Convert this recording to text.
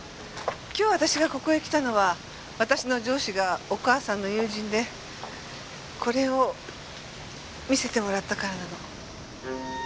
今日私がここへ来たのは私の上司がお母さんの友人でこれを見せてもらったからなの。